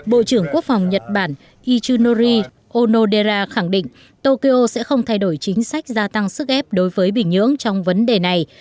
bộ trưởng quốc phòng nhật bản ichinori onodera khẳng định tokyo sẽ không thay đổi chính sách gia tăng sức ép đối với bình nhưỡng trong vấn đề này